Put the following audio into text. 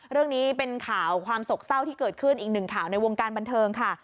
เรื่องนี้เป็นข่าวความสกเศร้าที่เกิดขึ้นอีกหนึ่งข่าวในวงการบันเทิงค่ะ